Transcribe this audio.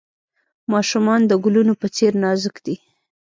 ماشومان د ګلونو په څیر نازک دي.